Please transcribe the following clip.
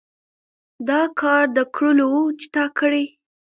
دا کار د کړلو وو چې تا کړى.